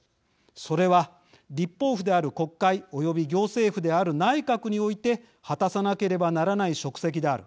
それは、立法府である国会および行政府である内閣において果たさなければならない職責である。